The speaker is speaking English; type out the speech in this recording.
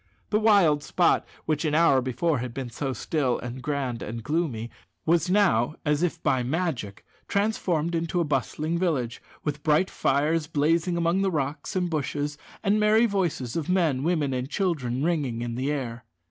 The wild spot which, an hour before, had been so still, and grand, and gloomy, was now, as if by magic, transformed into a bustling village, with bright fires blazing among the rocks and bushes, and merry voices of men, women, and children ringing in the air.